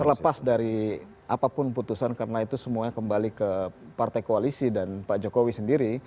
terlepas dari apapun putusan karena itu semuanya kembali ke partai koalisi dan pak jokowi sendiri